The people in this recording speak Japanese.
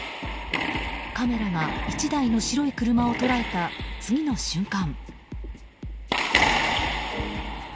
カメラが１台の白い車を捉えた次の瞬間。